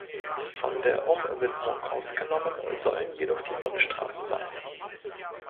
Von der Umwidmung ausgenommen sollen jedoch die Bundesstraßen sein.